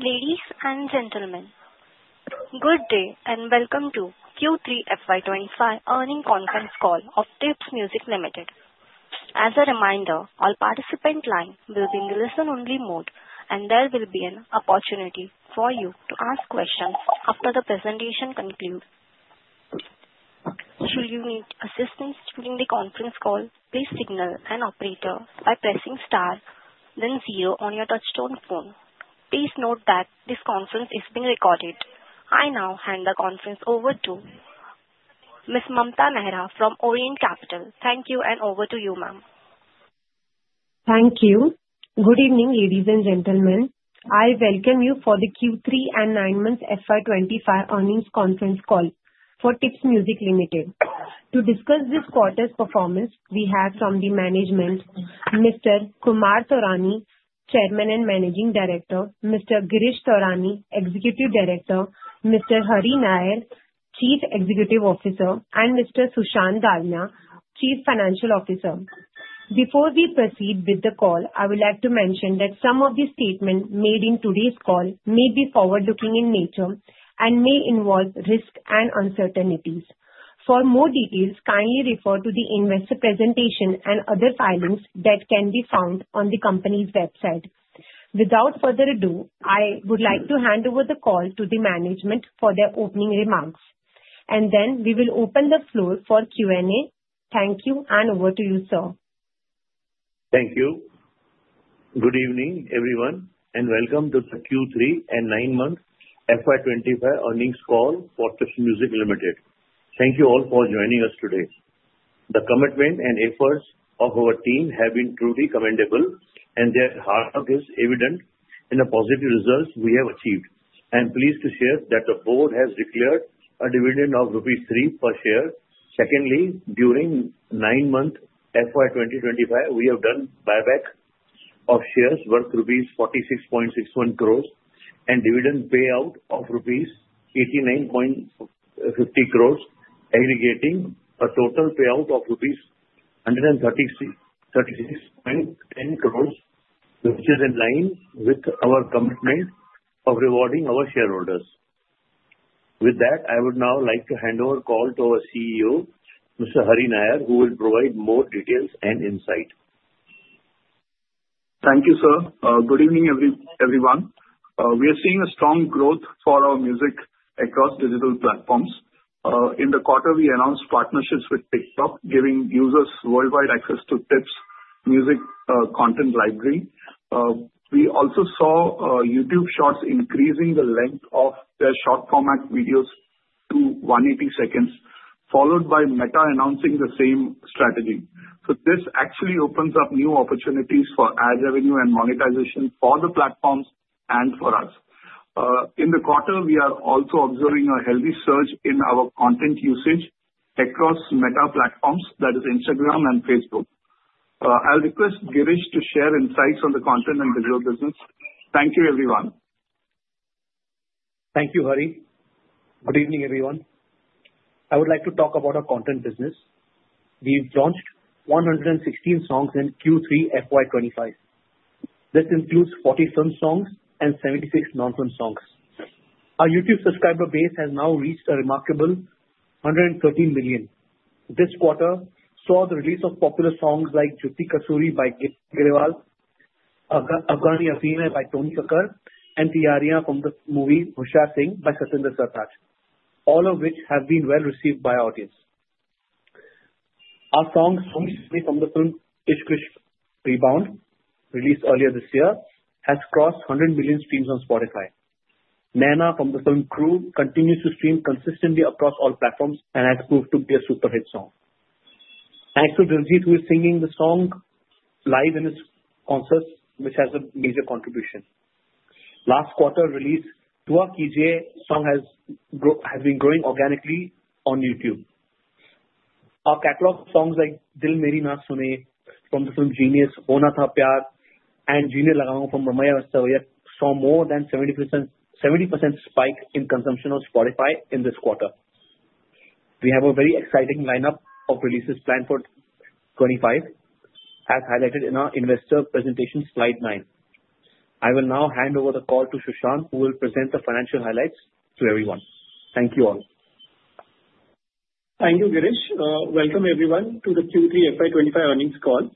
Ladies and gentlemen, good day and welcome to Q3 FY25 earnings conference call of Tips Music Ltd. As a reminder, all participant lines will be in the listen-only mode, and there will be an opportunity for you to ask questions after the presentation concludes. Should you need assistance during the conference call, please signal an operator by pressing star, then zero on your touch-tone phone. Please note that this conference is being recorded. I now hand the conference over to Ms. Mamta Nair from Orient Capital. Thank you, and over to you, ma'am. Thank you. Good evening, ladies and gentlemen. I welcome you for the Q3 and nine-month FY25 earnings conference call for Tips Music Limited. To discuss this quarter's performance, we have from the management, Mr. Kumar Taurani, Chairman and Managing Director, Mr. Girish Taurani, Executive Director, Mr. Hari Nair, Chief Executive Officer, and Mr. Sushant Dalmia, Chief Financial Officer. Before we proceed with the call, I would like to mention that some of the statements made in today's call may be forward-looking in nature and may involve risks and uncertainties. For more details, kindly refer to the investor presentation and other filings that can be found on the company's website. Without further ado, I would like to hand over the call to the management for their opening remarks, and then we will open the floor for Q&A. Thank you, and over to you, sir. Thank you. Good evening, everyone, and welcome to the Q3 and nine-month FY 2025 earnings call for Tips Music Limited. Thank you all for joining us today. The commitment and efforts of our team have been truly commendable, and their heart is evident in the positive results we have achieved. I am pleased to share that the board has declared a dividend of rupees 3 per share. Secondly, during nine months FY 2025, we have done buyback of shares worth rupees 46.61 crores and dividend payout of rupees 89.50 crores, aggregating a total payout of rupees 136.10 crores, which is in line with our commitment of rewarding our shareholders. With that, I would now like to hand over the call to our Chief Executive Officer, Mr. Hari Nair, who will provide more details and insight. Thank you, sir. Good evening, everyone. We are seeing a strong growth for our music across digital platforms. In the quarter, we announced partnerships with TikTok, giving users worldwide access to Tips Music content library. We also saw YouTube Shorts increasing the length of their short-format videos to 180 seconds, followed by Meta announcing the same strategy. So this actually opens up new opportunities for ad revenue and monetization for the platforms and for us. In the quarter, we are also observing a healthy surge in our content usage across Meta platforms, that is, Instagram and Facebook. I'll request Girish to share insights on the content and digital business. Thank you, everyone. Thank you, Hari. Good evening, everyone. I would like to talk about our content business. We've launched 116 songs in Q3 FY25. This includes 40 film songs and 76 non-film songs. Our YouTube subscriber base has now reached a remarkable 113 million. This quarter saw the release of popular songs like "Jatti Kasooti" by Gippy Grewal, "Afghani Afeem" by Tony Kakkar, and "Teyarian" from the movie "Shayar" by Satinder Sartaaj, all of which have been well received by our audience. Our song "Soni Soni" from the film "Ishq Vishk Rebound," released earlier this year, has crossed 100 million streams on Spotify. "Naina" from the film "Crew" continues to stream consistently across all platforms and has proved to be a superhit song. Thanks to Diljit, who is singing the song live in his concert, which has a major contribution. Last quarter release, "Dua Kijiye" song has been growing organically on YouTube. Our catalog songs like "Dil Meri Na Sune" from the film "Genius," "Hona Tha Pyar," and "Jeene Laga Hoon" from Ramaiya Vastavaiya saw more than a 70% spike in consumption on Spotify in this quarter. We have a very exciting lineup of releases planned for 2025, as highlighted in our investor presentation slide nine. I will now hand over the call to Sushant, who will present the financial highlights to everyone. Thank you all. Thank you, Girish. Welcome, everyone, to the Q3 FY25 earnings call.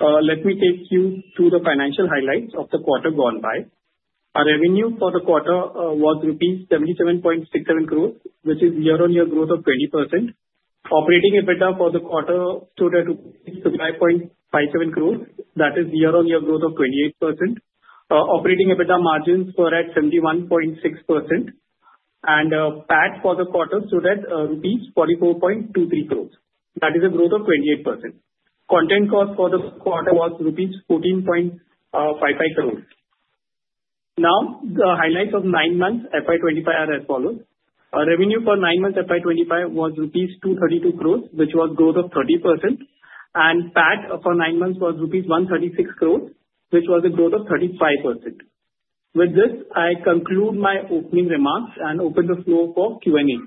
Let me take you to the financial highlights of the quarter gone by. Our revenue for the quarter was rupees 77.67 crores, which is year-on-year growth of 20%. Operating EBITDA for the quarter stood at 25.57 crores, that is year-on-year growth of 28%. Operating EBITDA margins were at 71.6%, and PAT for the quarter stood at rupees 44.23 crores, that is a growth of 28%. Content cost for the quarter was rupees 14.55 crores. Now, the highlights of nine months FY25 are as follows. Our revenue for nine months FY25 was 232 crores rupees, which was a growth of 30%, and PAT for nine months was rupees 136 crores, which was a growth of 35%. With this, I conclude my opening remarks and open the floor for Q&A.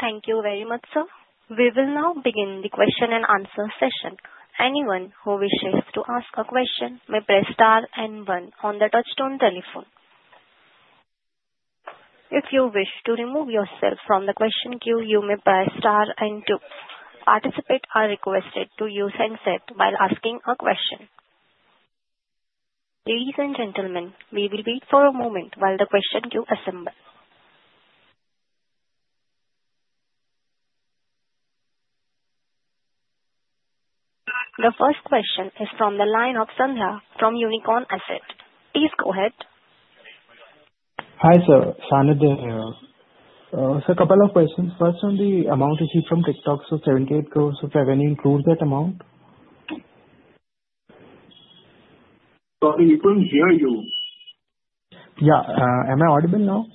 Thank you very much, sir. We will now begin the question-and-answer session. Anyone who wishes to ask a question may press star and one on the touch-tone telephone. If you wish to remove yourself from the question queue, you may press star and two. Participants are requested to use handset while asking a question. Ladies and gentlemen, we will wait for a moment while the question queue assembles. The first question is from the line of Sandhya from Unicorn Asset Management. Please go ahead. Hi, sir. Sandhya Deo here. Sir, a couple of questions. First, on the amount received from TikTok, so 78 crores of revenue includes that amount? Sorry, we couldn't hear you. Yeah. Am I audible now?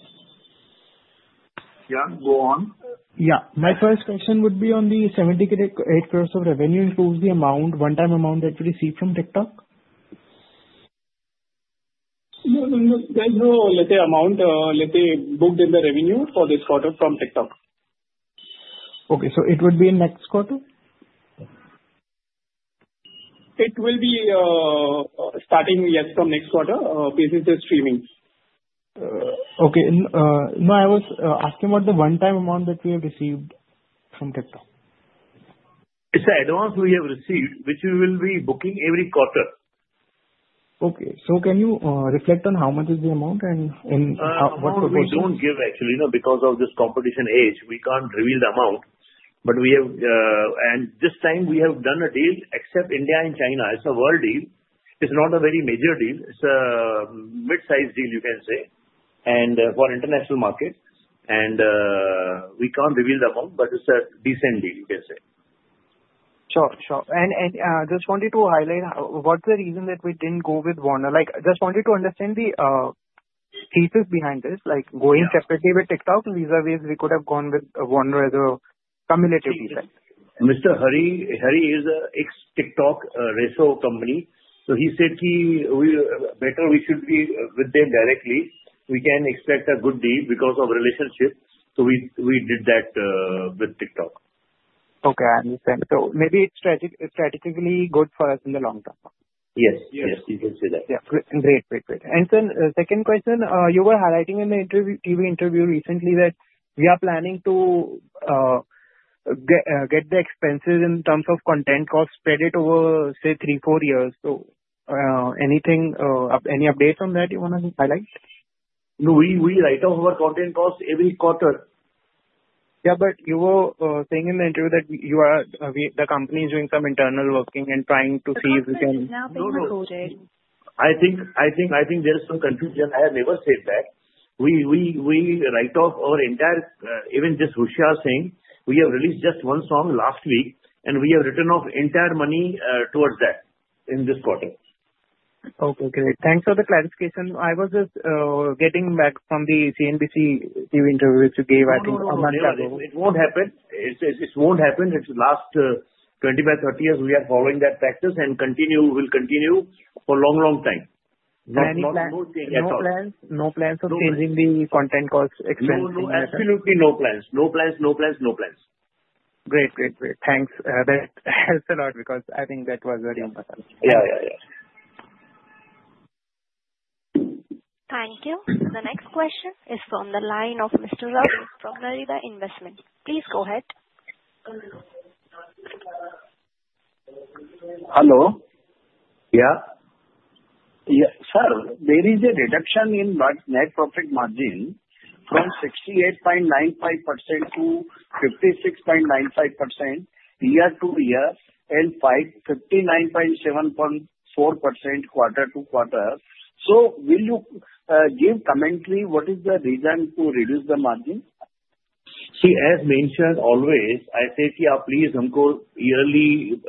Yeah. Go on. Yeah. My first question would be on the 78 crores of revenue includes the one-time amount that you received from TikTok? No, no, no. There's no amount booked in the revenue for this quarter from TikTok. Okay. So it would be next quarter? It will be starting, yes, from next quarter, basically streaming. Okay. No, I was asking about the one-time amount that we have received from TikTok? It's the amount we have received, which we will be booking every quarter. Okay. So can you reflect on how much is the amount and what proportion? We don't give, actually, because of this competitive age. We can't reveal the amount, but we have, and this time, we have done a deal except India and China. It's a world deal. It's not a very major deal. It's a mid-size deal, you can say, for the international market, and we can't reveal the amount, but it's a decent deal, you can say. Sure, sure. And just wanted to highlight what's the reason that we didn't go with Warner? Just wanted to understand the pieces behind this, like going separately with TikTok. These are ways we could have gone with Warner as a cumulative effect. Mr. Hari is an ex-TikTok exec, so he said better we should be with them directly. We can expect a good deal because of relationship. So we did that with TikTok. Okay. I understand. So maybe it's strategically good for us in the long term. Yes. Yes, you can say that. Yeah. Great, great, great. And then the second question, you were highlighting in the TV interview recently that we are planning to get the expenses in terms of content costs spread over, say, three, four years. So any updates on that you want to highlight? No, we write off our content costs every quarter. Yeah, but you were saying in the interview that the company is doing some internal working and trying to see if we can... No, sir. No, sir. I think there's some confusion. I have never said that. We write off our entire, even just Husha Singh. We have released just one song last week, and we have written off entire money towards that in this quarter. Okay. Great. Thanks for the clarification. I was just getting back from the CNBC TV interview which you gave, I think, a month ago. It won't happen. It won't happen. It's the last 25-30 years we are following that practice and will continue for a long, long time. No plans. No plans of changing the content cost expenses? No, no. Absolutely no plans. No plans, no plans, no plans. Great, great, great. Thanks. That helps a lot because I think that was very important. Yeah, yeah, yeah. Thank you. The next question is from the line of Mr. Rao from Naredi Investments. Please go ahead. Hello. Yeah. Yeah. Sir, there is a reduction in net profit margin from 68.95% to 56.95% year to year and 59.74% quarter to quarter. So will you give commentary what is the reason to reduce the margin? See, as mentioned always, I say, "Please don't go yearly,"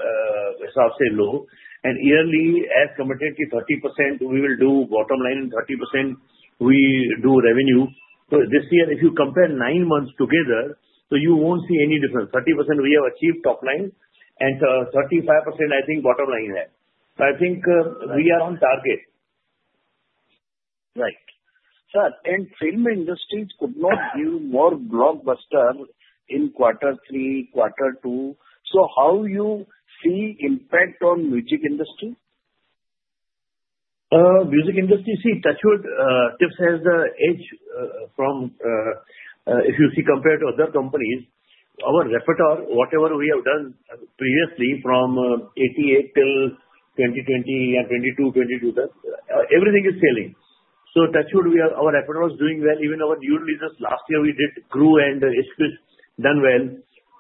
as I say, "low." And yearly, as committed to 30%, we will do bottom line and 30% we do revenue. So this year, if you compare nine months together, so you won't see any difference. 30% we have achieved top line, and 35%, I think bottom line there. So I think we are on target. Right. Sir, the film industry could not be more blockbuster in quarter three, quarter two. So how do you see the impact on the music industry? Music industry, see, touch wood, TIPS has the edge if you see compared to other companies. Our repertoire, whatever we have done previously from 1988 till 2020 and 2022, 2022, everything is failing. So touch wood, our repertoire is doing well. Even our new releases last year we did, "Crew" and "Ishq Vishk," done well.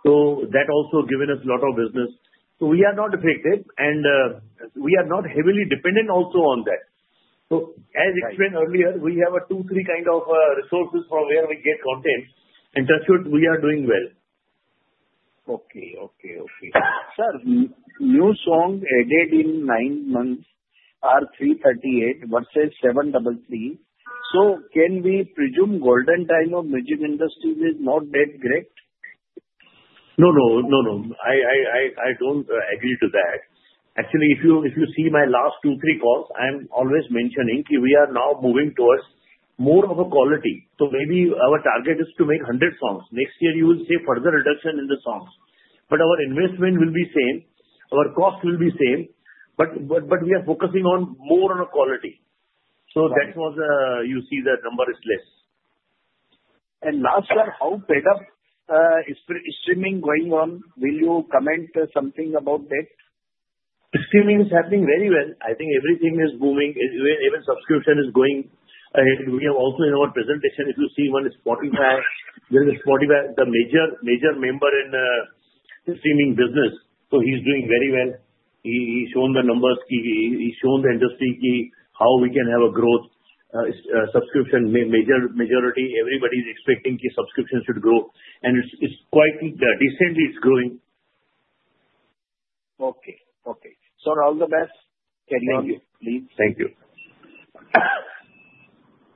So that also given us a lot of business. So we are not affected, and we are not heavily dependent also on that. So as explained earlier, we have two, three kinds of resources from where we get content, and touch wood, we are doing well. Sir, new song added in nine months are 338 versus 733. So can we presume the golden time of the music industry is not that great? No, no, no, no. I don't agree to that. Actually, if you see my last two, three calls, I'm always mentioning we are now moving towards more of a quality. So maybe our target is to make 100 songs. Next year, you will see further reduction in the songs. But our investment will be the same. Our cost will be the same, but we are focusing more on quality. So that was, you see, the number is less. Last, sir, how is the streaming going on? Will you comment something about that? Streaming is happening very well. I think everything is booming. Even subscription is going ahead. We have also in our presentation, if you see one, it's Spotify. There is Spotify, the major member in the streaming business. So he's doing very well. He's shown the numbers. He's shown the industry how we can have a growth. Subscription, majority, everybody is expecting subscription should grow, and it's quite decently growing. Okay, okay. Sir, all the best. Thank you. Please. Thank you.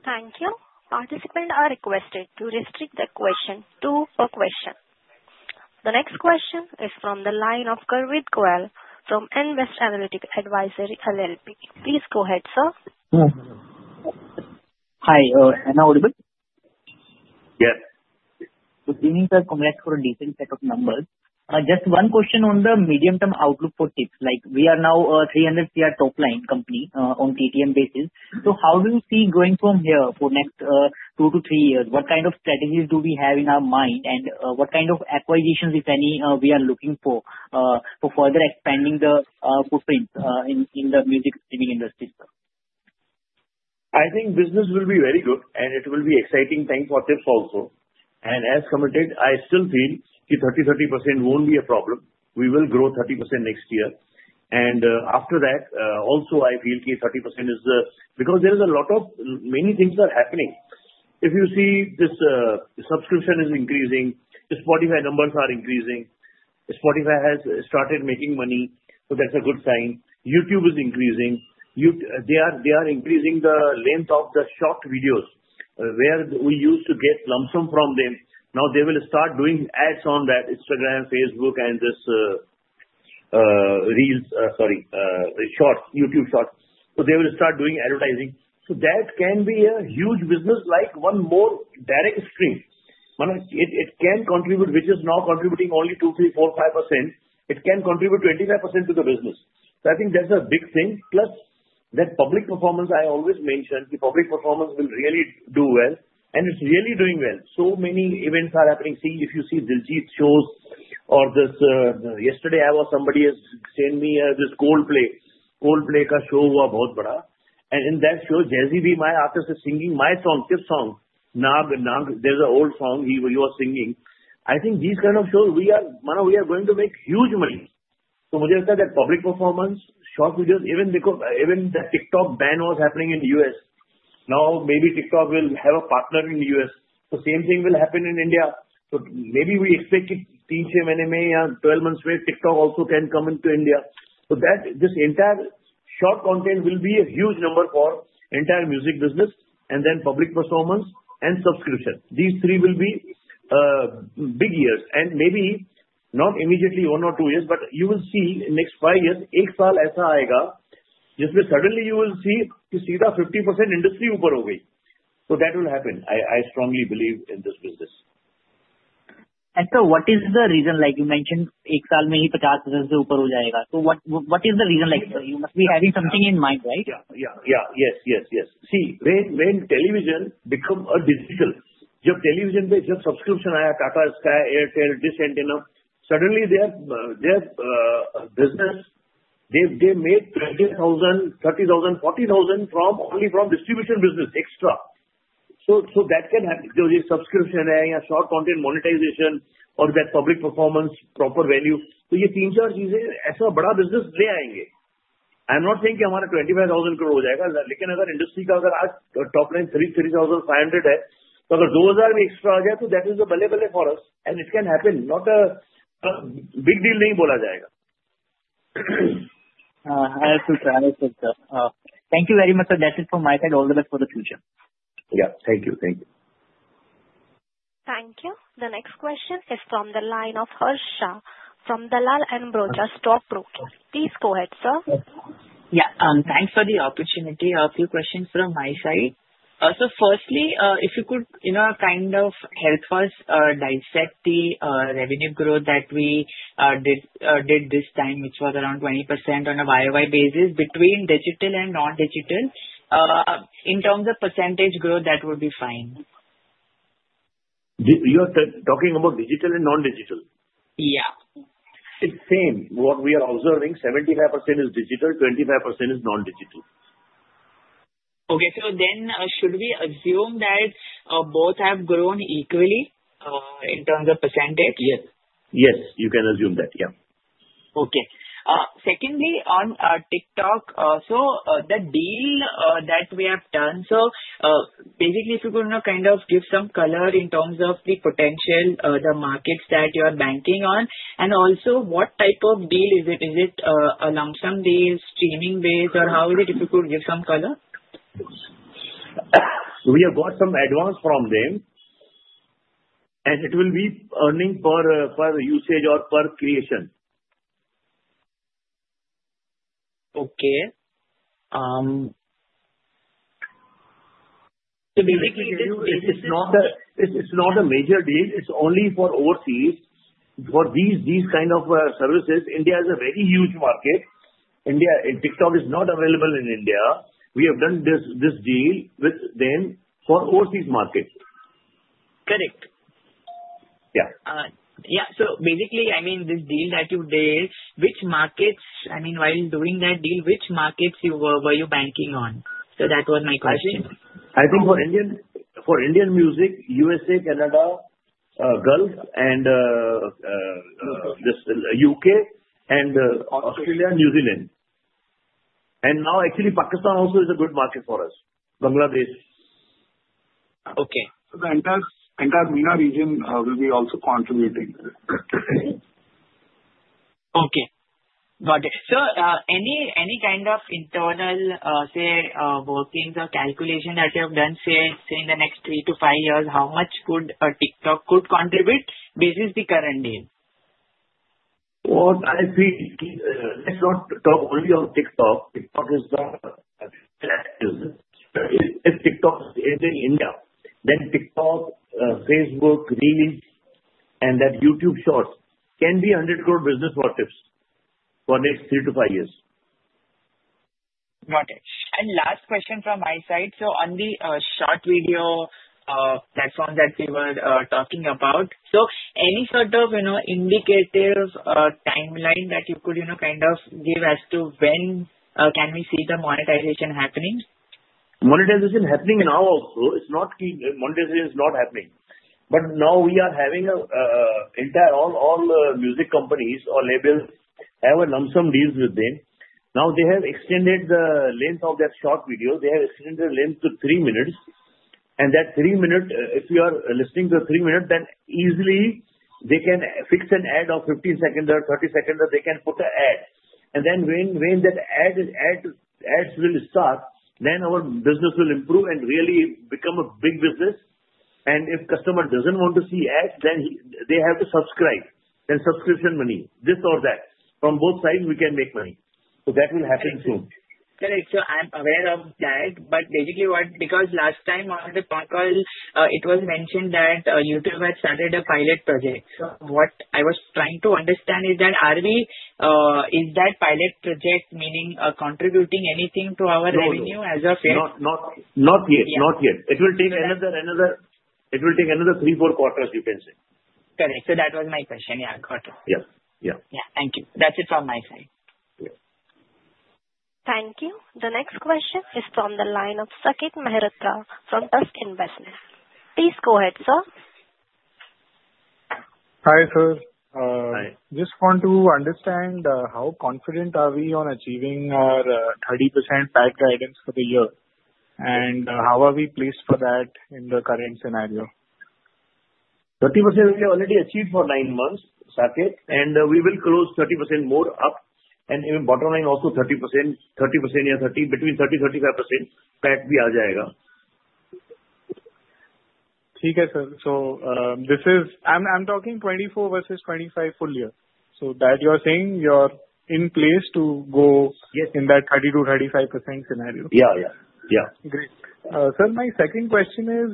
Thank you. Participants are requested to restrict their question to per question. The next question is from the line of Garvit Goyal from Nvest Analytic Advisory, LLP. Please go ahead, sir. Hi. Am I audible? Yes. So Garvit Goyal comes for a decent set of numbers. Just one question on the medium-term outlook for TIPS. We are now a 300 crore top-line company on TTM basis. So how do you see going from here for the next two to three years? What kind of strategies do we have in our mind? And what kind of acquisitions, if any, are we looking for further expanding the footprint in the music streaming industry? I think business will be very good, and it will be exciting time for TIPS also, and as committed, I still feel 30%, 30% won't be a problem. We will grow 30% next year, and after that, also, I feel 30% is because there are a lot of many things that are happening. If you see this subscription is increasing, the Spotify numbers are increasing. Spotify has started making money, so that's a good sign. YouTube is increasing. They are increasing the length of the short videos where we used to get lump sum from them. Now they will start doing ads on that. Instagram, Facebook, and this Reels, sorry, Shorts, YouTube Shorts. So they will start doing advertising. So that can be a huge business like one more direct stream. It can contribute, which is now contributing only 2-5%. It can contribute 25% to the business. So I think that's a big thing. Plus, that public performance, I always mentioned, the public performance will really do well. And it's really doing well. So many events are happening. See, if you see Diljit shows or this yesterday, somebody sent me this Coldplay. Coldplay show was very big. And in that show, Jazzy B, my artist, is singing my song, Tips song, "Naag." There's an old song he was singing. I think these kinds of shows, we are going to make huge money. So I think that public performance, short videos, even the TikTok ban was happening in the U.S. Now maybe TikTok will have a partner in the U.S. The same thing will happen in India. So maybe we expect it in three to six months or 12 months where TikTok also can come into India. So this entire short content will be a huge number for the entire music business, and then public performance and subscription. These three will be big years. And maybe not immediately one or two years, but you will see in the next five years, एक साल ऐसा आएगा जिसमें suddenly you will see कि सीधा 50% industry ऊपर हो गई. So that will happen. I strongly believe in this business. Sir, what is the reason? Like you mentioned, एक साल में ही 50% से ऊपर हो जाएगा. What is the reason? You must be having something in mind, right? Yeah, yeah, yeah. Yes, yes, yes. See, when television becomes digital, जब television पे जब subscription आया, Tata Sky, Airtel, Dish TV and Sun Direct, suddenly their business, they made 20,000, 30,000, 40,000 only from distribution business extra. So that can happen. Subscription or short content monetization or that public performance, proper venue. तो ये तीन-चार चीजें ऐसा बड़ा business ले आएंगे. I'm not saying कि हमारा 25,000 crore हो जाएगा. लेकिन अगर इंडस्ट्री का अगर आज top line 3,500 है, तो अगर 2,000 भी extra आ जाए, तो that is a बल्ले-बल्ले for us. And it can happen. Not a big deal नहीं बोला जाएगा. Thank you very much, sir. That's it from my side. All the best for the future. Yeah. Thank you. Thank you. Thank you. The next question is from the line of Harsha from Dalal & Broacha Stock Broking. Please go ahead, sir. Yeah. Thanks for the opportunity. A few questions from my side. So firstly, if you could kind of help us dissect the revenue growth that we did this time, which was around 20% on a YOY basis between digital and non-digital. In terms of percentage growth, that would be fine. You are talking about digital and non-digital? Yeah. It's the same. What we are observing, 75% is digital, 25% is non-digital. Okay. So then should we assume that both have grown equally in terms of percentage? Yes. You can assume that. Yeah. Okay. Secondly, on TikTok, so the deal that we have done, so basically, if you could kind of give some color in terms of the potential, the markets that you are banking on, and also what type of deal is it? Is it a lump sum base, streaming base, or how is it? If you could give some color. We have got some advance from them, and it will be earning per usage or per creation. Okay. Basically, it's not a major deal. It's only for overseas. For these kinds of services, India is a very huge market. TikTok is not available in India. We have done this deal with them for overseas markets. Correct. Yeah. Yeah. So basically, I mean, this deal that you did, which markets? I mean, while doing that deal, which markets were you banking on? So that was my question. I think for Indian music, USA, Canada, Gulf, and U.K., and Australia, New Zealand. Now, actually, Pakistan also is a good market for us. Bangladesh. Okay. Our MENA region will be also contributing. Okay. Got it. Sir, any kind of internal, say, workings or calculation that you have done, say, in the next three to five years, how much could TikTok contribute versus the current deal? I think let's not talk only of TikTok. TikTok is in India. Then TikTok, Facebook, Reels, and YouTube Shorts can be a 100-crore business for TIPS for the next three to five years. Got it. And last question from my side. So on the short video platform that we were talking about, so any sort of indicative timeline that you could kind of give as to when can we see the monetization happening? Monetization happening now also. Monetization is not happening. But now we are having all music companies or labels have lump sum deals with them. Now they have extended the length of that short video. They have extended the length to three minutes. And that three minutes, if you are listening to three minutes, then easily they can fix an ad of 15 seconds or 30 seconds that they can put an ad. And then when that ads will start, then our business will improve and really become a big business. And if the customer doesn't want to see ads, then they have to subscribe. Then subscription money, this or that. From both sides, we can make money. So that will happen soon. Correct. So I'm aware of that. But basically, because last time on the call, it was mentioned that YouTube had started a pilot project. So what I was trying to understand is that is that pilot project meaning contributing anything to our revenue as of yet? Not yet. Not yet. It will take another three, four quarters, you can say. Correct. So that was my question. Yeah. Got it. Yeah. Yeah. Yeah. Thank you. That's it from my side. Thank you. The next question is from the line of Saket Mehrotra from Tusk Investments. Please go ahead, sir. Hi, sir. Just want to understand how confident are we on achieving our 30% PAT guidance for the year, and how are we placed for that in the current scenario? 30% we have already achieved for nine months, Sakeet. And we will close 30% more up. And even bottom line also 30%, 30%, yeah, 30, between 30%-35% PAT be ajaayega. Okay, sir. So this is I'm talking 2024 versus 2025 full year. So that you are saying you are in place to go in that 30%-35% scenario? Yeah. Yeah. Yeah. Great. Sir, my second question is,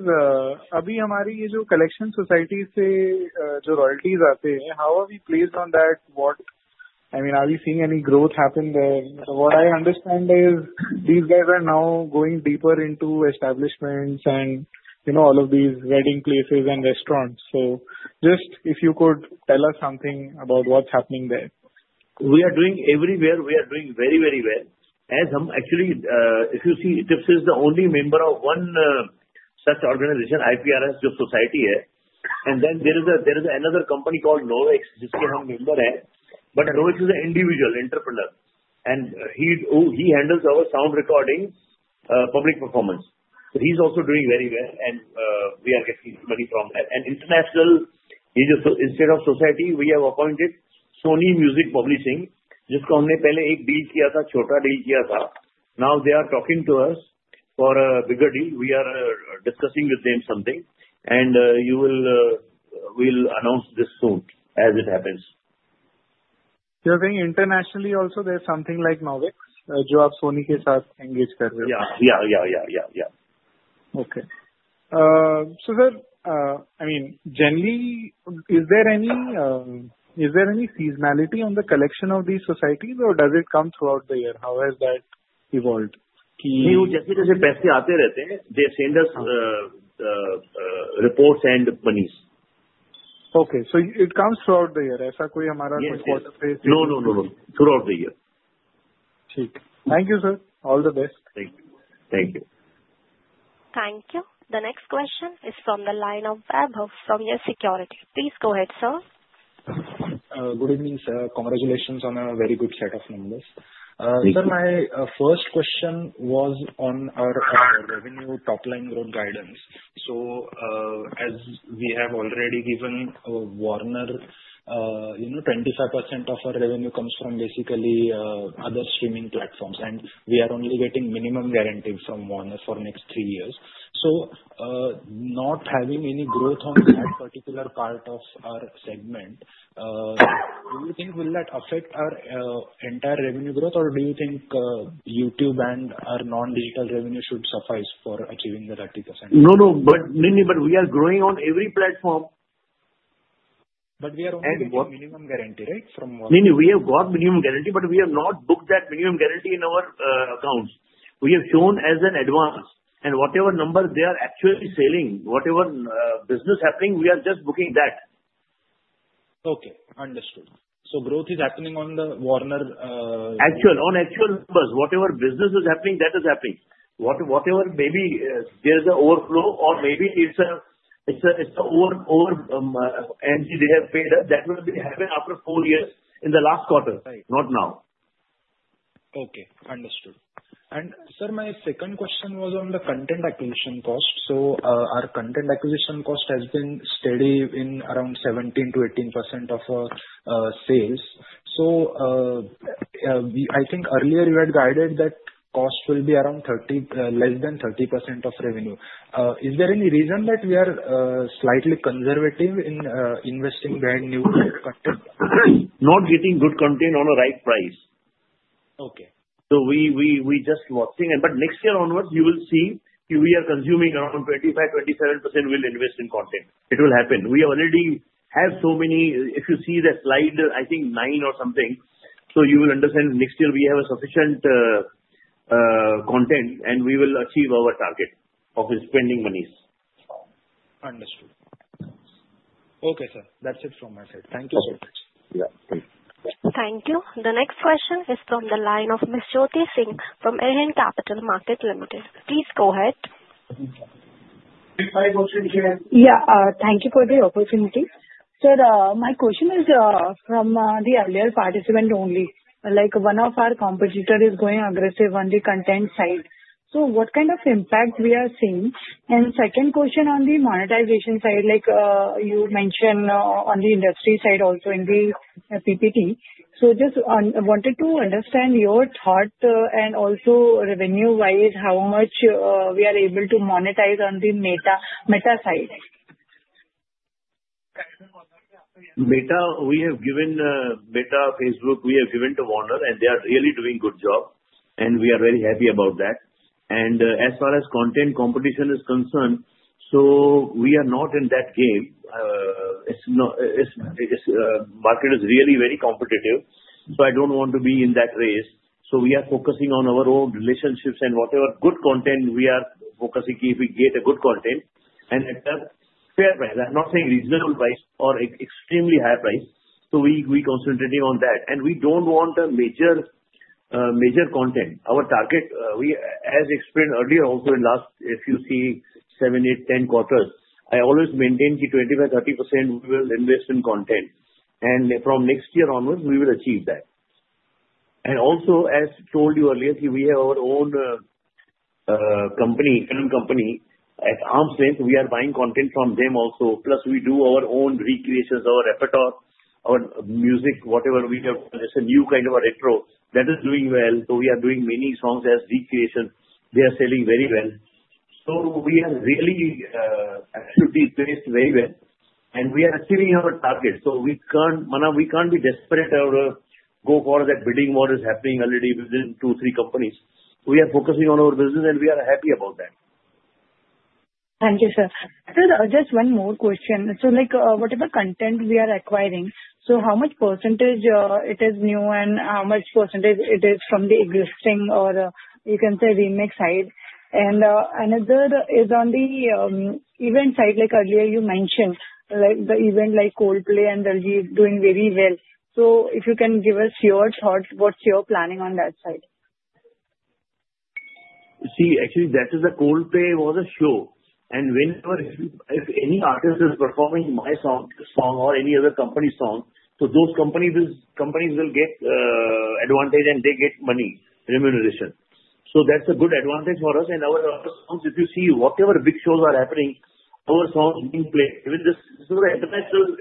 अभी हमारी ये जो collection society से जो royalties आते हैं, how are we placed on that? What I mean, are we seeing any growth happen there? What I understand is these guys are now going deeper into establishments and all of these wedding places and restaurants. So just if you could tell us something about what's happening there. We are doing everywhere. We are doing very, very well. As I'm actually, if you see, TIPS is the only member of one such organization, IPRS, the society here. And then there is another company called Novex, which we have member at. But Novex is an individual entrepreneur. And he handles our sound recording, public performance. So he's also doing very well. And we are getting money from that. And international, instead of society, we have appointed Sony Music Publishing, जिसको हमने पहले एक deal किया था, छोटा deal किया था. Now they are talking to us for a bigger deal. We are discussing with them something. And we will announce this soon as it happens. You're saying internationally also there's something like Novex, जो आप Sony के साथ engage कर रहे हो? Yeah. Okay. So sir, I mean, generally, is there any seasonality on the collection of these societies, or does it come throughout the year? How has that evolved? नहीं, वो जैसे-जैसे पैसे आते रहते हैं, they send us reports and money. Okay. So it comes throughout the year. ऐसा कोई हमारा कोई quarter phase? No. No. No. No. Throughout the year. ठीक. Thank you, sir. All the best. Thank you. Thank you. Thank you. The next question is from the line of Abhav from YES Securities. Please go ahead, sir. Good evening, sir. Congratulations on a very good set of numbers. Sir, my first question was on our revenue top-line growth guidance. So as we have already given to Warner, 25% of our revenue comes from basically other streaming platforms. And we are only getting minimum guarantees from Warner for the next three years. So not having any growth on that particular part of our segment, do you think will that affect our entire revenue growth, or do you think YouTube and our non-digital revenue should suffice for achieving that 30%? No. No. But we are growing on every platform. But we are only getting minimum guarantee, right, from Warner? We have got Minimum Guarantee, but we have not booked that Minimum Guarantee in our accounts. We have shown as an advance, and whatever number they are actually selling, whatever business is happening, we are just booking that. Okay. Understood, so growth is happening on the Warner? Actually, on actual numbers. Whatever business is happening, that is happening. Whatever maybe there is an overflow or maybe it's an over energy they have paid, that will be happening after four years in the last quarter, not now. Okay. Understood. And sir, my second question was on the content acquisition cost. So our content acquisition cost has been steady in around 17%-18% of our sales. So I think earlier you had guided that cost will be around less than 30% of revenue. Is there any reason that we are slightly conservative in investing brand new content? Not getting good content on a right price. Okay. So we just watching. But next year onwards, you will see we are consuming around 25%-27%. We will invest in content. It will happen. We already have so many. If you see the slide, I think nine or something. So you will understand next year we have sufficient content, and we will achieve our target of spending monies. Understood. Okay, sir. That's it from my side. Thank you so much. Yeah. Thank you. Thank you. The next question is from the line of Ms. Jyoti Singh from Arihant Capital Markets Limited. Please go ahead. Yeah. Thank you for the opportunity. Sir, my question is from the earlier participant only. One of our competitors is going aggressive on the content side. So what kind of impact we are seeing? And second question on the monetization side, like you mentioned on the industry side also in the PPT. So just wanted to understand your thought and also revenue-wise, how much we are able to monetize on the Meta side. Meta, we have given to Meta, Facebook, we have given to Warner, and they are really doing a good job. We are very happy about that. As far as content competition is concerned, we are not in that game. The market is really very competitive. I don't want to be in that race. We are focusing on our own relationships and whatever good content we are focusing if we get good content. At that fair price, I'm not saying reasonable price or extremely high price. We are concentrating on that. We don't want a major content. Our target, as explained earlier also in the last, if you see, seven, eight, 10 quarters, I always maintained 25%-30% we will invest in content. From next year onwards, we will achieve that. And also, as told you earlier, we have our own company, film company at arm's length. We are buying content from them also. Plus, we do our own recreations, our repertoire, our music, whatever we have. It's a new kind of retro that is doing well. So we are doing many songs as recreation. They are selling very well. So we are really actually placed very well. And we are achieving our target. So we can't be desperate or go for that. Bidding war is happening already within two, three companies. We are focusing on our business, and we are happy about that. Thank you, sir. Sir, just one more question. So whatever content we are acquiring, so how much percentage it is new and how much percentage it is from the existing or you can say remix side? And another is on the event side, like earlier you mentioned, the event like Coldplay and Diljit doing very well. So if you can give us your thoughts, what's your planning on that side? See, actually, that is a Coldplay show. And whenever any artist is performing my song or any other company's song, so those companies will get advantage and they get money remuneration. So that's a good advantage for us. And our songs, if you see whatever big shows are happening, our songs being played, even this is an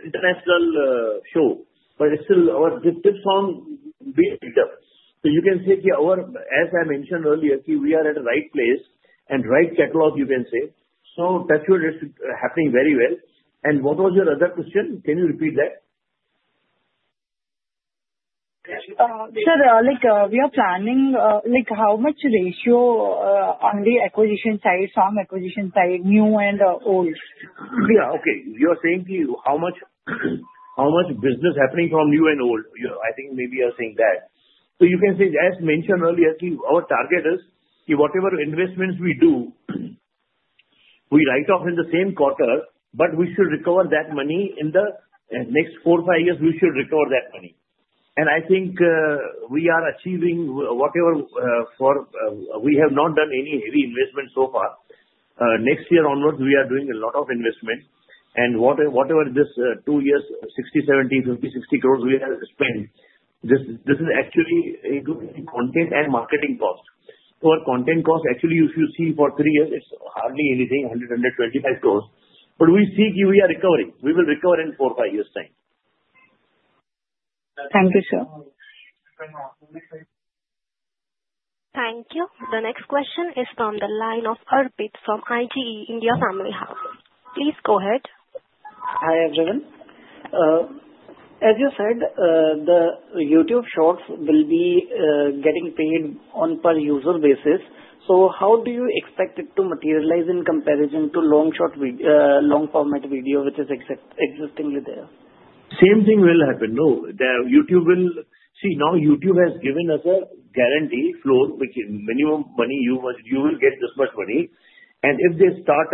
international show. But it's still our TIPS song being picked up. So you can say, as I mentioned earlier, we are at the right place and right catalog, you can say. So that's what is happening very well. And what was your other question? Can you repeat that? Sir, we are planning how much ratio on the acquisition side, song acquisition side, new and old? Yeah. Okay. You are saying how much business happening from new and old. I think maybe you are saying that. So you can say, as mentioned earlier, our target is whatever investments we do, we write off in the same quarter, but we should recover that money in the next four, five years, we should recover that money. And I think we are achieving whatever we have not done any heavy investment so far. Next year onwards, we are doing a lot of investment. And whatever this two years, 60-70, 50-60 crores we have spent, this is actually including content and marketing cost. Our content cost, actually, if you see for three years, it's hardly anything, 100-125 crores. But we see we are recovering. We will recover in four, five years' time. Thank you, sir. Thank you. The next question is from the line of Arvind from IGE India. Please go ahead. Hi everyone. As you said, the YouTube Shorts will be getting paid on a per-user basis. So how do you expect it to materialize in comparison to long-format video, which is existing there? Same thing will happen. No, YouTube will see. Now YouTube has given us a guarantee floor, which minimum money you will get this much money. And if they start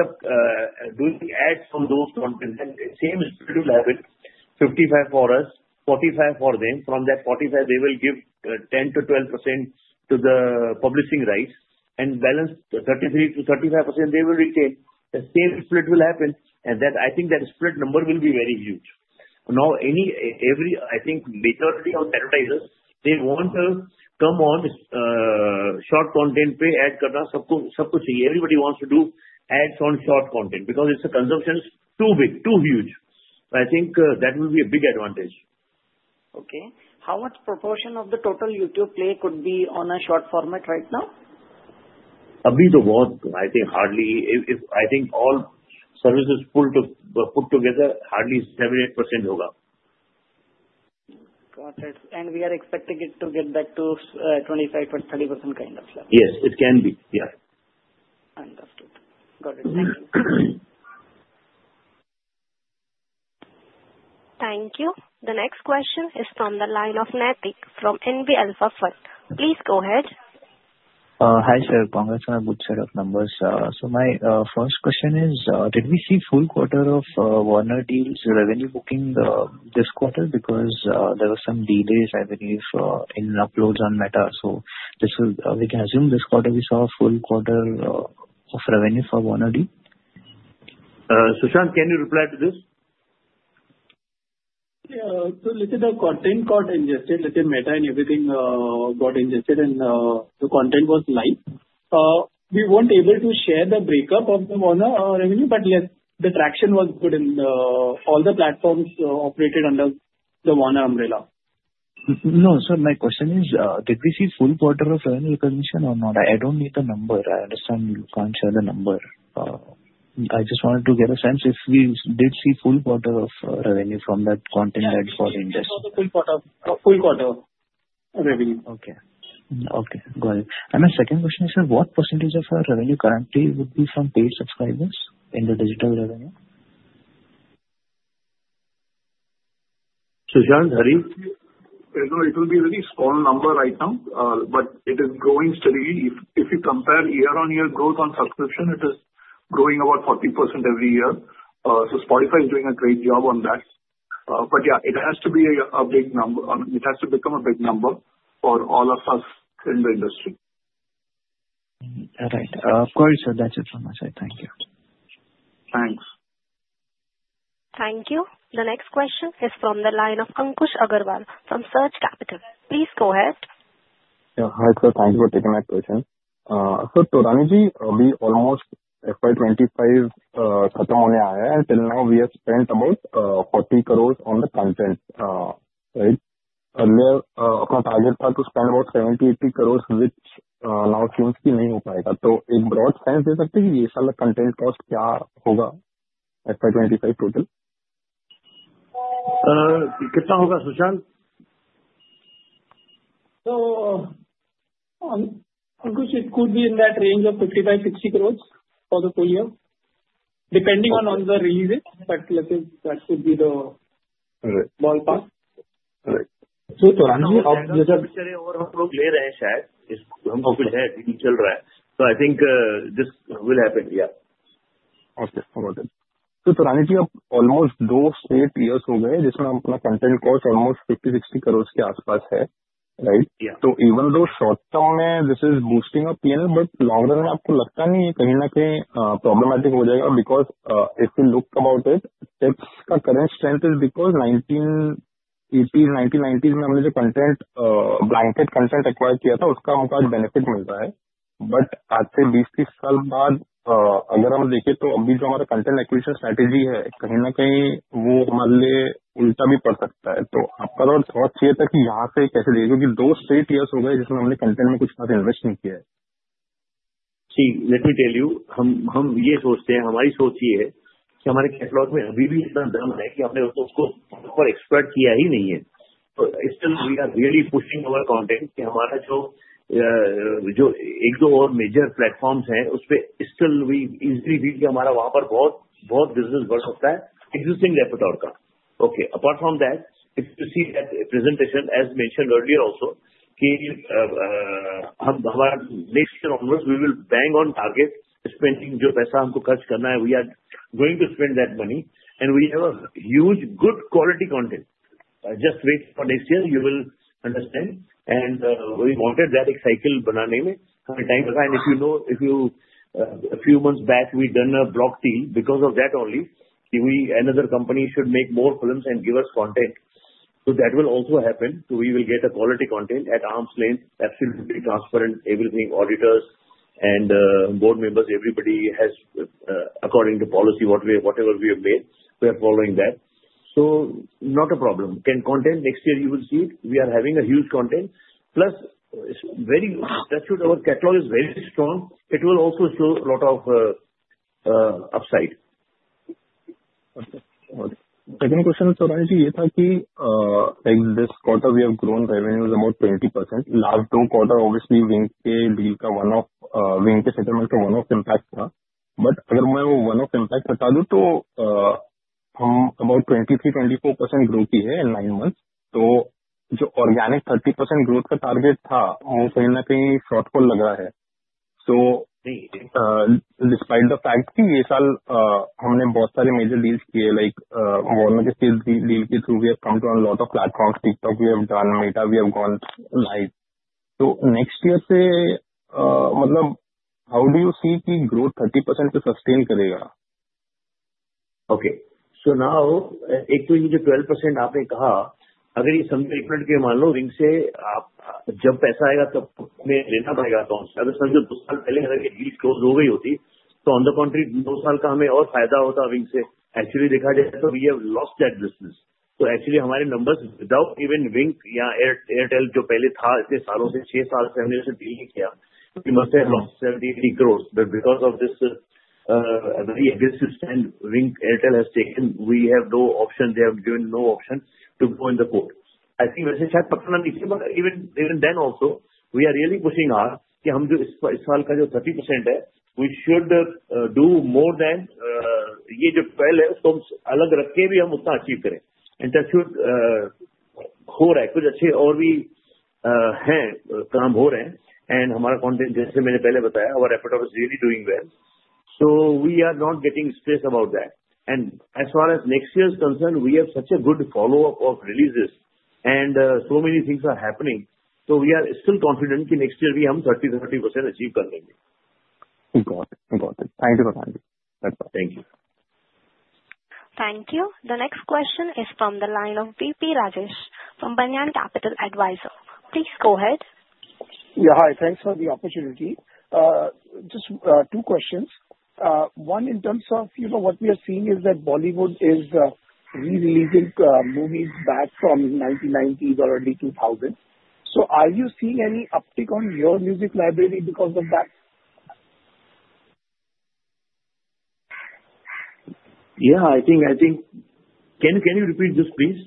doing ads from those contents, same split will happen, 55% for us, 45% for them. From that 45%, they will give 10%-12% to the publishing rights. And balance 33%-35% they will retain. The same split will happen. And I think that split number will be very huge. Now, I think majority of advertisers, they want to come on short content, play ads. Everybody wants to do ads on short content because its consumption is too big, too huge. I think that will be a big advantage. Okay. How much proportion of the total YouTube play could be on a short format right now? Abhi to both, I think hardly, if I think all services put together, hardly 7-8% hoga. Got it. And we are expecting it to get back to 25%-30% kind of level? Yes. It can be. Yeah. Understood. Got it. Thank you. Thank you. The next question is from the line of Naitik from NB Alpha Fund. Please go ahead. Hi sir. Congrats on a good set of numbers. So my first question is, did we see full quarter of Warner Deal's revenue booking this quarter? Because there were some delays, I believe, in uploads on Meta. So we can assume this quarter we saw full quarter of revenue for Warner Deal? Sushant, can you reply to this? Yeah. So look at the content got ingested. Look at Meta and everything got ingested. And the content was live. We weren't able to share the breakdown of the Warner revenue, but the traction was good in all the platforms operated under the Warner umbrella. No, sir. My question is, did we see full quarter of revenue recognition or not? I don't need the number. I understand you can't share the number. I just wanted to get a sense if we did see full quarter of revenue from that content that got ingested. No, the full quarter. Full quarter revenue. Okay. Okay. Got it. My second question is, sir, what percentage of our revenue currently would be from paid subscribers in the digital revenue? Sushant, honey, it will be a very small number right now, but it is growing steadily. If you compare year-on-year growth on subscription, it is growing about 40% every year. So Spotify is doing a great job on that. But yeah, it has to be a big number. It has to become a big number for all of us in the industry. All right. Of course, sir. That's it from my side. Thank you. Thanks. Thank you. The next question is from the line of Ankush Agarwal from Surge Capital. Please go ahead. Yeah. Hi sir. Thank you for taking my question. Sir Taurani ji, we almost FY25 is coming up, and till now we have spent about 40 crores on the content, right? Earlier, our target was to spend about 70-80 crores, which now seems to be not possible. So in broad sense, can you say what the content cost will be for FY25 total? Kitta hooga, Sushant? Ankush, it could be in that range of 55-60 crores for the full year, depending on the releases. But let's say that could be the ballpark. Right. So Taurani ji, you just. Sushant ji, overall, हम लोग ले रहे हैं शायद. हम लोग. है अभी चल रहा है. So I think this will happen. Yeah. Okay. Got it. So Taurani ji, almost those eight years honge, जिसमें अपना content cost almost INR 50-60 crores के आसपास है, right? Yeah. So even though short term में this is boosting up P&L, but long run में आपको लगता नहीं है कहीं ना कहीं problematic हो जाएगा, because if you look about it, TIPS का current strength is because 1980s, 1990s में हमने जो content, blanket content acquired किया था, उसका हमको आज benefit मिल रहा है. But आज से 20, 30 साल बाद अगर हम देखें, तो अभी जो हमारा content acquisition strategy है, कहीं ना कहीं वो हमारे लिए उल्टा भी पड़ सकता है. So आपका thought चाहिए था कि यहां से कैसे aage, क्योंकि those eight years हो गए, जिसमें हमने content में कुछ खास invest नहीं किया है. See, let me tell you, हम ये सोचते हैं, हमारी सोच ये है कि हमारे catalog में अभी भी इतना दम है कि हमने उसको exploit किया ही नहीं है. So still we are really pushing our content कि हमारा जो एक दो और major platforms हैं, उसपे still we easily feel कि हमारा वहां पर बहुत-बहुत business बढ़ सकता है existing repertoire का. Okay. Apart from that, if you see that presentation, as mentioned earlier also, कि हमारा next year onwards, we will bang on target, spending जो पैसा हमको खर्च करना है, we are going to spend that money, and we have a huge good quality content. Just wait for next year, you will understand. We wanted that cycle बनाने में हमें time लगा. And if you know, a few months back, we done a block deal because of that only, कि another company should make more films and give us content. So that will also happen. So we will get quality content at arm's length, absolutely transparent, everything. Auditors and board members, everybody has, according to policy, whatever we have made, we are following that. So not a problem. Content next year, you will see it. We are having huge content. Plus, that should our catalog is very strong. It will also show a lot of upside. Okay. Second question, Taurani ji, ये था कि this quarter we have grown revenues about 20%. Last two quarters, obviously, Wynk Deal का one-off, Wynk settlement का one-off impact था. But अगर मैं वो one-off impact बता दूं, तो हम about 23%-24% growth की है in nine months. तो जो organic 30% growth का target था, वो कहीं ना कहीं shortfall लगा है. So despite the fact कि ये साल हमने बहुत सारे major deals किए, like Warner के deal के through, we have come to a lot of platforms, TikTok, we have done, Meta we have gone live. So next year से, मतलब how do you see कि growth 30% को sustain करेगा? Okay. So now, एक तो ये जो 12% आपने कहा, अगर ये समझो एक मिनट के लिए मान लो, Wynk से आप जब पैसा आएगा, तब हमें लेना पड़ेगा accounts. अगर समझो दो साल पहले अगर ये deal close हो गई होती, तो on the contrary, दो साल का हमें और फायदा होता Wynk से. Actually देखा जाए, तो we have lost that business. So actually हमारे numbers without even Wynk या Airtel जो पहले था इतने सालों से, छह साल से हमने उसे deal नहीं किया, we must have lost 70-80 crores. But because of this very aggressive stand Wynk, Airtel has taken, we have no option, they have given no option to go in the court. I think वैसे शायद पकड़ना नहीं चाहिए, but even then also, we are really pushing hard कि हम जो इस साल का जो 30% है, we should do more than ये जो 12% है, उसको हम अलग रख के भी हम उतना achieve करें. And that should हो रहा है, कुछ अच्छे और भी हैं, काम हो रहे हैं. And हमारा content, जैसे मैंने पहले बताया, our repertoire is really doing well. So we are not getting stressed about that. And as far as next year is concerned, we have such a good follow-up of releases and so many things are happening, so we are still confident कि next year भी हम 30, 30% achieve कर लेंगे. Got it. Got it. Thank you, Sushant. Thank you. Thank you. The next question is from the line of BP Rajesh from Banyan Capital Advisors. Please go ahead. Yeah. Hi. Thanks for the opportunity. Just two questions. One, in terms of what we are seeing is that Bollywood is re-releasing movies back from 1990s or early 2000s. So are you seeing any uptick on your music library because of that? Yeah. I think, can you repeat this, please?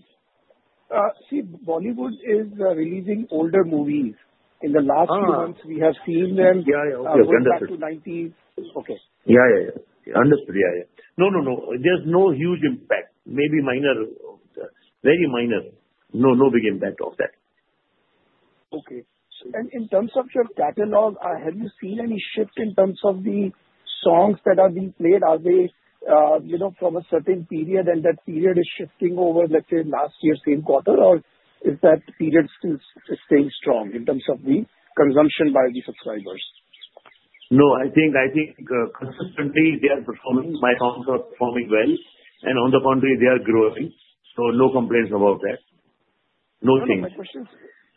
See, Bollywood is releasing older movies. In the last few months, we have seen them going back to 90s. Yeah. Yeah. Yeah. Understood. Yeah. Yeah. No, no, no. There's no huge impact. Maybe minor, very minor. No big impact of that. Okay. And in terms of your catalog, have you seen any shift in terms of the songs that are being played? Are they from a certain period and that period is shifting over, let's say, last year's same quarter, or is that period still staying strong in terms of the consumption by the subscribers? No. I think consistently they are performing. My songs are performing well. And on the contrary, they are growing. So no complaints about that. No change.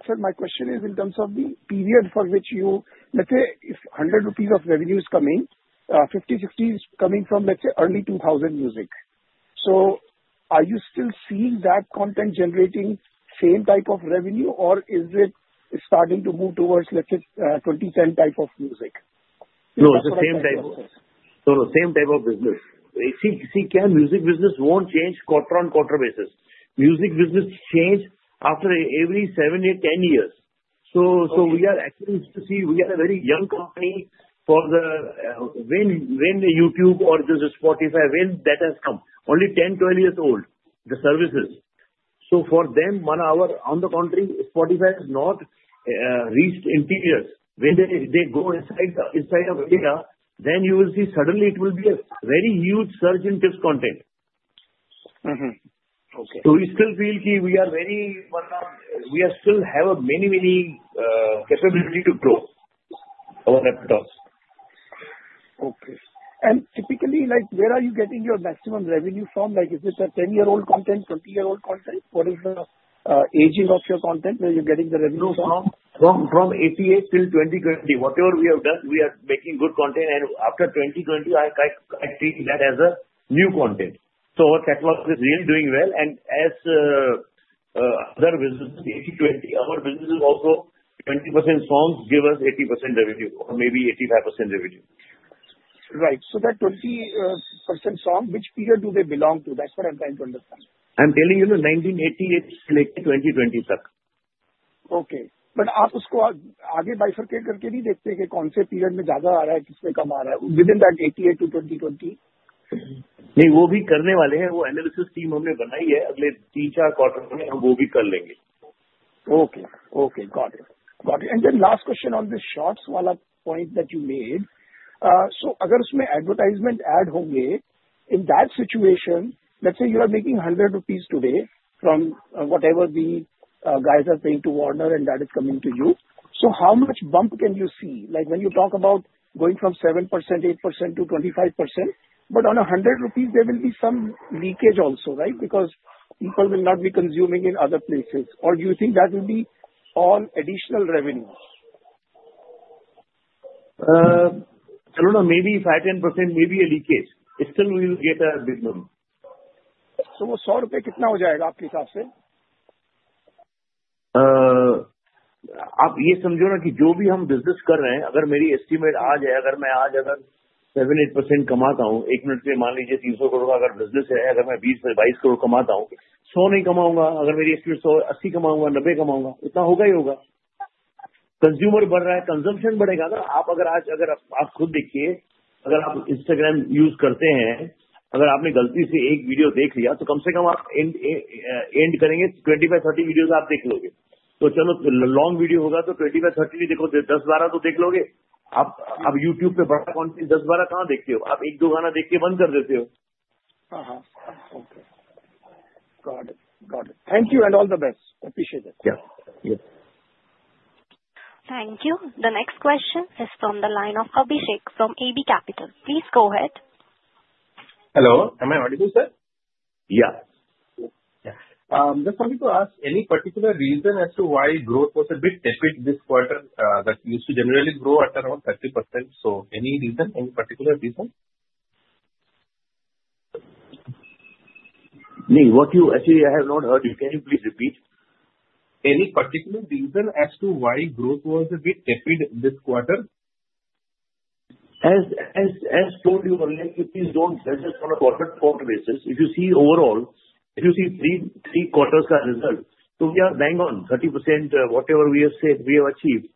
Sir, my question is, in terms of the period for which you, let's say, if 100 rupees of revenue is coming, 50, 60 is coming from, let's say, early 2000 music. So are you still seeing that content generating same type of revenue, or is it starting to move towards, let's say, 2010 type of music? No, it's the same type. No, no. Same type of business. See, music business won't change quarter on quarter basis. Music business change after every seven, eight, 10 years. So we are actually used to see we are a very young company for the when YouTube or this Spotify, when that has come, only 10, 12 years old, the services. So for them, on the contrary, Spotify has not reached interiors. When they go inside of India, then you will see suddenly it will be a very huge surge in Tips content. So we still feel we are very we still have many, many capability to grow our repertoires. Okay. And typically, where are you getting your maximum revenue from? Is it a 10-year-old content, 20-year-old content? What is the aging of your content where you're getting the revenue from? From 1988 till 2020, whatever we have done, we are making good content. And after 2020, I treat that as new content. So our catalog is really doing well. And as other businesses, 80-20, our business is also 20% songs give us 80% revenue or maybe 85% revenue. Right. So that 20% song, which period do they belong to? That's what I'm trying to understand. I'm telling you, 1988 to 2020. Okay. But आप उसको आगे bifurcate करके नहीं देखते कि कौन से period में ज्यादा आ रहा है, किसमें कम आ रहा है? Within that 1988 to 2020? नहीं, वो भी करने वाले हैं। वो analysis team हमने बनाई है अगले तीन-चार quarter में, हम वो भी कर लेंगे. Okay. Got it. And then last question on the shorts वाला point that you made. So अगर उसमें advertisement add होंगे, in that situation, let's say you are making 100 rupees today from whatever the guys are paying to Warner and that is coming to you. So how much bump can you see? When you talk about going from 7%, 8% to 25%, but on 100 rupees, there will be some leakage also, right? Because people will not be consuming in other places. Or do you think that will be all additional revenue? I don't know. Maybe 5%-10%, maybe a leakage. It still will get a big number. वो INR 100 कितना हो जाएगा आपके हिसाब से? आप ये समझो ना कि जो भी हम business कर रहे हैं। अगर मेरी estimate आज है, अगर मैं आज 7-8% कमाता हूं। एक मिनट के लिए मान लीजिए 300 crore का business है। अगर मैं 20-22 crore कमाता हूं, 100 नहीं कमाऊंगा। अगर मेरी estimate 100, 80 कमाऊंगा, 90 कमाऊंगा, उतना होगा ही होगा। Consumer बढ़ रहा है, consumption बढ़ेगा ना? आप अगर आज, अगर आप खुद देखिए, अगर आप Instagram use करते हैं, अगर आपने गलती से एक video देख लिया, तो कम से कम आप end करेंगे, 25-30 videos आप देख लोगे। तो चलो, long video होगा, तो 25-30 नहीं देखोगे, 10-12 तो देख लोगे। आप YouTube पे बड़ा content 10-12 कहां देखते हो? आप एक दो गाना देख के बंद कर देते हो। Okay. Got it. Got it. Thank you and all the best. Appreciate it. Yeah. Yes. Thank you. The next question is from the line of Abhishek from AB Capital. Please go ahead. Hello. Am I audible, sir? Yeah. I'm just wanting to ask, any particular reason as to why growth was a bit tepid this quarter that used to generally grow at around 30%? So any reason, any particular reason? नहीं, what you actually, I have not heard. Can you please repeat? Any particular reason as to why growth was a bit tepid this quarter? As told you earlier, please don't judge us on a quarter-quarter basis. If you see overall, if you see three quarters' results, so we are bang on 30%, whatever we have said, we have achieved.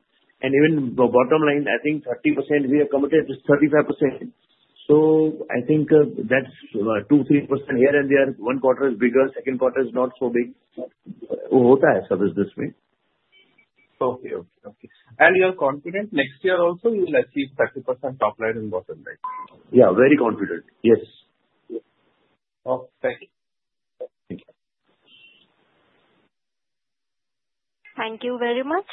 And even bottom line, I think 30% we have committed is 35%. So I think that's 2-3% here and there. One quarter is bigger, second quarter is not so big. होता है सब business में. Okay. And you are confident next year also you will achieve 30% top line and bottom line? Yeah. Very confident. Yes. Okay. Thank you. Thank you very much.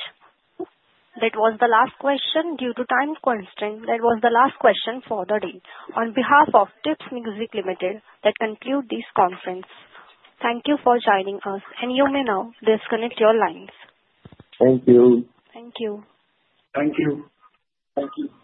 That was the last question due to time constraint. That was the last question for the day. On behalf of Tips Music Limited, that concludes this conference. Thank you for joining us, and you may now disconnect your lines. Thank you. Thank you. Thank you. Thank you.